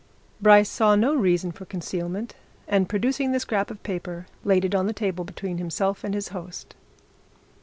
Bryce saw no reason for concealment and producing the scrap of paper laid it on the table between himself and his host.